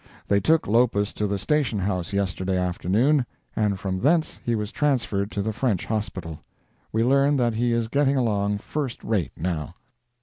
They took Lopus to the station house yesterday afternoon, and from thence he was transferred to the French Hospital. We learn that he is getting along first rate, now.